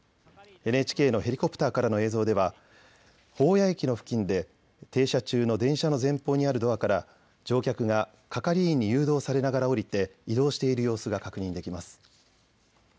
ＮＨＫのヘリコプターからの映像では保谷駅の付近で停車中の電車の前方にあるドアから乗客が係員に誘導されながら降りて移動している様子が確認できます。